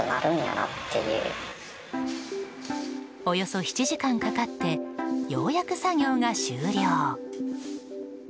およそ７時間かかってようやく作業が終了。